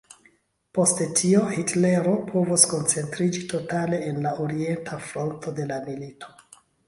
Post tio, Hitlero povus koncentriĝi totale en la Orienta Fronto de la milito.